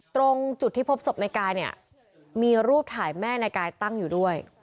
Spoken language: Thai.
ตรงจุดที่พบศพนายกายเนี่ยมีรูปถ่ายแม่นายกายตั้งอยู่ด้วย